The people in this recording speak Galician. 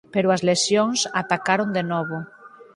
Pero as lesións atacaron de novo.